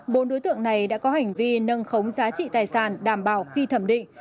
bốn đối tượng này đã có hành vi nâng khống giá trị tài sản đảm bảo khi thẩm định